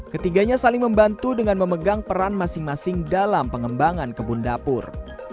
ketiganya saling membantu dengan memegang peran masing masing dalam pengembangan kebun dapur